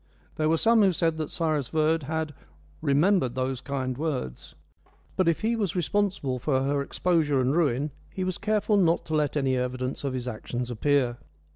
There were some who said that Cyrus Verd had "remembered those kind words"; but if he was responsible for her exposure and ruin he was careful not to let any evidence of his actions appear.